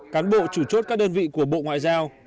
cán bộ chủ chốt các đơn vị của bộ ngoại giao